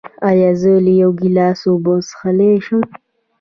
ایا زه له یو ګیلاس اوبه څښلی شم؟